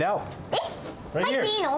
えっ入っていいの？